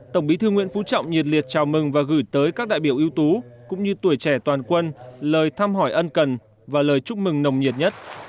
tổng bí thư nguyễn phú trọng nhiệt liệt chào mừng và gửi tới các đại biểu ưu tú cũng như tuổi trẻ toàn quân lời thăm hỏi ân cần và lời chúc mừng nồng nhiệt nhất